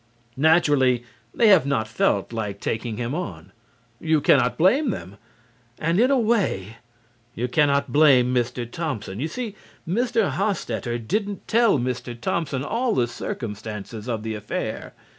Naturally, they have not felt like taking him on. You cannot blame them. And, in a way, you cannot blame Mr. Thompson. You see, Mr. Hostetter didn't tell Mr. Thompson all the circumstances of the affair.